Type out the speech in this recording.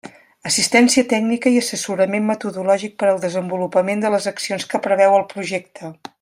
Assistència tècnica i assessorament metodològic per al desenvolupament de les accions que preveu el projecte.